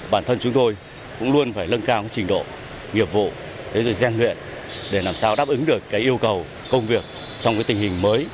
bản thân chúng tôi cũng luôn phải lân cao trình độ nghiệp vụ thế rồi rèn luyện để làm sao đáp ứng được cái yêu cầu công việc trong cái tình hình mới